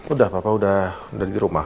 udah papa udah dirumah